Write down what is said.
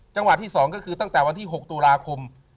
จังหวัดที่๒ก็คือตั้งแต่วันที่๖ตุลาคม